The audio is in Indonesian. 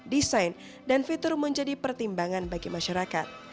desain dan fitur menjadi pertimbangan bagi masyarakat